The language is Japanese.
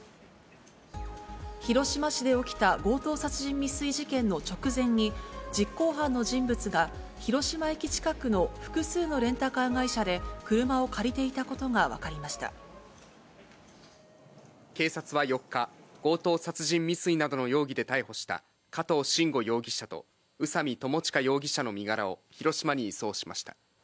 広島市で起きた強盗殺人未遂事件の直前に、実行犯の人物が、広島駅近くの複数のレンタカー会社で車を借りていたことが分かり警察は４日、強盗殺人未遂などの容疑で逮捕した、加藤臣吾容疑者と、宇佐見巴悠容疑者の身柄を、広島に移送しました。